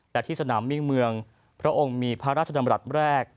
แต่ที่สนามมิ่งเมืองพระองค์มีพระราชดำรัฐแรก